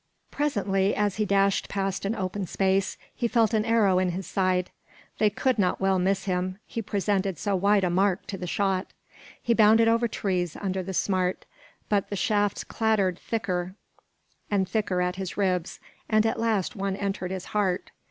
Presently, as he dashed past an open space, he felt an arrow in his side. They could not well miss him, he presented so wide a mark to the shot. He bounded over trees under the smart, but the shafts clattered thicker and thicker at his ribs, and at last one entered his heart.